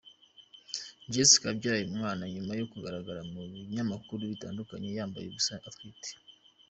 Jessica abyaye uyu mwana, nyuma yo kugaragara mu binyamakuru bitandukanye, yambaye ubusa atwite.